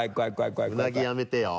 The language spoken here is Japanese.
うなぎやめてよ。